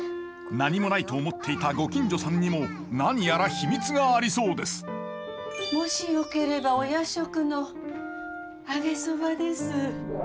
何もないと思っていたご近所さんにも何やら秘密がありそうですもしよければお夜食の揚げそばです。